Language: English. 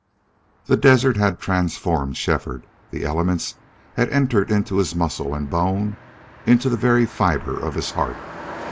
The desert had transformed Shefford. The elements had entered into his muscle and bone, into the very fiber of his heart.